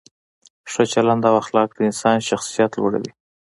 ښه چلند او اخلاق د انسان شخصیت لوړوي.